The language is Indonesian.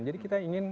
jadi kita ingin